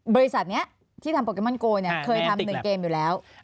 บริษัทนี้ที่ทำโปเกมอนโกเนี่ยเคยทำ๑เกมอยู่แล้ว